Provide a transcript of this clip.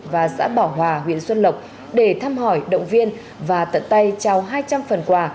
và xã bảo hòa huyện xuân lộc để thăm hỏi động viên và tận tay trao hai trăm linh phần quà